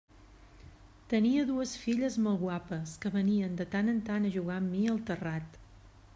Tenia dues filles molt guapes que venien de tant en tant a jugar amb mi al terrat.